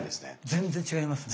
全然違いますね。